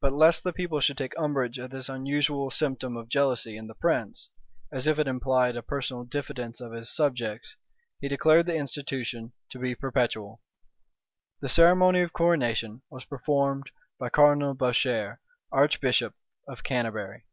But lest the people should take umbrage at this unusual symptom of jealousy in the prince, as if it implied a personal diffidence of his subjects, he declared the institution to be perpetual. The ceremony of coronation was performed by Cardinal Bourchier, archbishop of Canterbury.